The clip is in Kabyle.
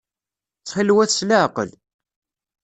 Ttxil-wet s leɛqel.